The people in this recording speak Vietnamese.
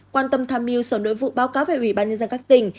quan tâm tham mưu sở nội vụ báo cáo về ủy ban nhân dân các tỉnh